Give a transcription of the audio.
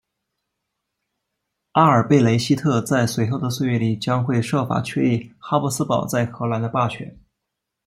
阿尔布雷希特在随后的岁月里将会设法确立哈布斯堡在荷兰的霸权。